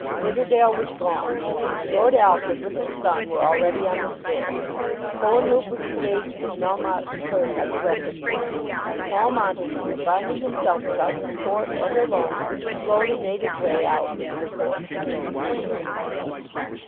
Nidderdale was gone. Lord Alfred with his son were already on the stairs. Cohenlupe was engaged with Melmotte's clerk on the record book. Paul Montague finding himself without support and alone, slowly made his way out into the court.